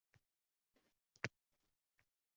Mexr muruvvatda tanxo yagonam